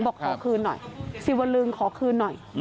บอกขอคืนหน่อยสิวลึงขอคืนหน่อย